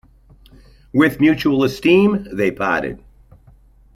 With mutual esteem they parted.